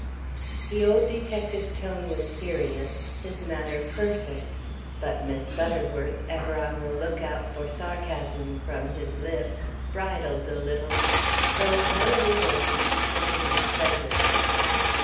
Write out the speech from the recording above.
The old detective's tone was serious, his manner perfect; but Miss Butterworth, ever on the look out for sarcasm from his lips, bridled a little, though in no other way did she show her displeasure.